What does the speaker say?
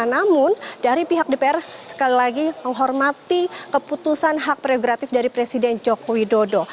namun dari pihak dpr sekali lagi menghormati keputusan hak prerogatif dari presiden joko widodo